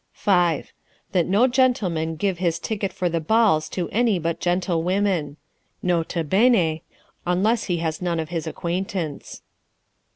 5. " That no gentleman give his ticket for the balls to any but gentle women. N.B. Unless he has none of his acquaintance.